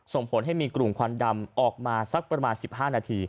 ส่งผลให้มีกลุ่มควันดำออกมาสักประมาณ๑๕นาที